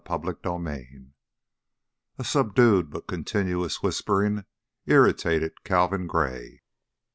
CHAPTER XXVI A subdued but continuous whispering irritated Calvin Gray.